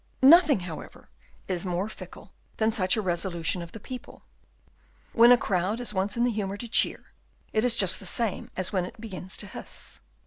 Nothing however, is more fickle than such a resolution of the people. When a crowd is once in the humour to cheer, it is just the same as when it begins to hiss.